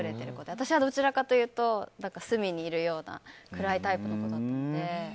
私はどちらかというと隅にいるような暗いタイプの子だったので。